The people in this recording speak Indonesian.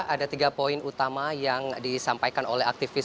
ada tiga poin utama yang disampaikan oleh aktivis sembilan puluh delapan